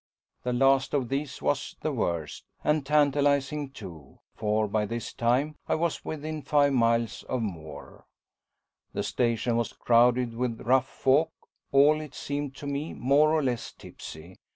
The last of these was the worst, and tantalising, too, for by this time I was within a few miles of Moore. The station was crowded with rough folk, all, it seemed to me, more or less tipsy.